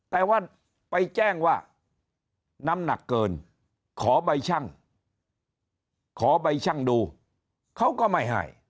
แต่ว่าไปแจ้งว่าน้ำหนักเกินขอใบชั่งดูเขาก็ไม่หาย